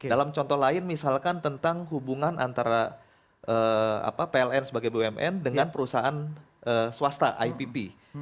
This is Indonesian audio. dalam contoh lain misalkan tentang hubungan antara pln sebagai bumn dengan perusahaan swasta ipp